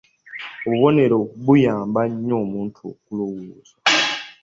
Obubonero buyamba nnyo omuntu okulowooza.